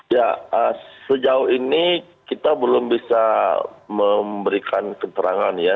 ya sejauh ini kita belum bisa memberikan keterangan ya